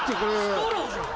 ストローじゃん。